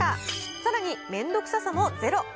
さらにめんどくささもゼロ。